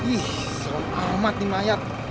ih serem amat nih mayat